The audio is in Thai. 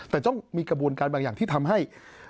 แต่ต้องมีกระบวนการบางอย่างที่ทำให้